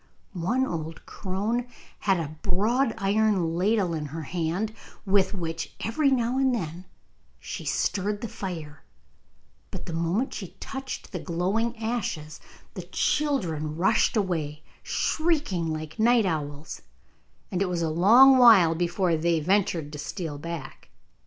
One old crone had a broad iron ladle in her hand, with which every now and then she stirred the fire, but the moment she touched the glowing ashes the children rushed away, shrieking like night owls, and it was a long while before they ventured to steal back.